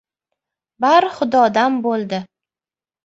Bari Xudodan bo‘ldi!